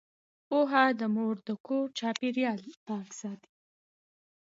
پوهه مور د کور چاپیریال پاک ساتي۔